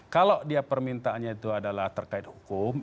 kalau permintaannya itu terkait hukum